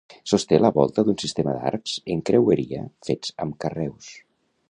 Sosté la volta un sistema d'arcs en creueria fets amb carreus.